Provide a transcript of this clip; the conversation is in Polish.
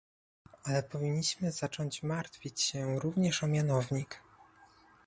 Ale powinniśmy zacząć martwić się również o mianownik